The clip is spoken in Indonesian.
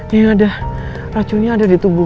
yang ada racunnya ada di tubuh